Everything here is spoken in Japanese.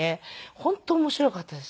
本当面白かったです。